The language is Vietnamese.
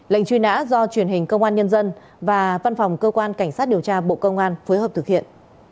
lệnh truy nã do truyền hình công an nhân dân và văn phòng cơ quan cảnh sát điều tra bộ công an phối hợp thực hiện